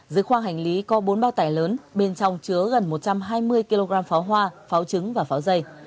dưới khoang hành lý có bốn bao tải lớn bên trong chứa gần một trăm hai mươi kg pháo hoa pháo trứng và pháo dây